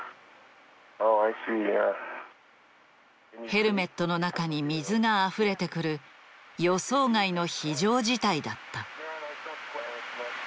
ヘルメットの中に水があふれてくる予想外の非常事態だった。